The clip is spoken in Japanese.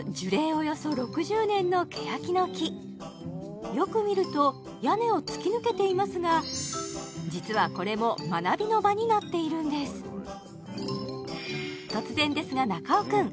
およそ６０年のケヤキの木よく見ると屋根を突き抜けていますが実はこれも学びの場になっているんです突然ですが中尾くん